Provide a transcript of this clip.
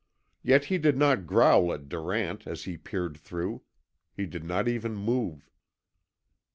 Yet he did not growl at Durant as he peered through. He did not even move.